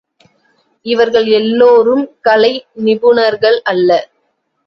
இவர்கள் எல்லோரும் கலை நிபுணர்கள் அல்ல.